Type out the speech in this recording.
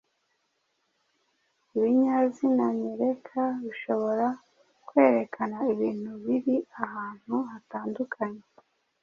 Ibinyazina nyereka bishobora kwerekana ibintu biri ahantu hatandukanye